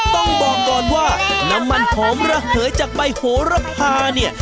ต้องบอกก่อนว่าน้ำมันหอมระเหยจากใบโหระพาเนี่ย